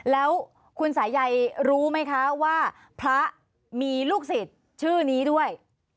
แล้วคุณสายัยรู้ไหมคะว่าพระมีลูกศิษย์ชื่อนี้ด้วย